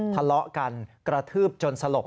ทะเลาะกันกระทืบจนสลบ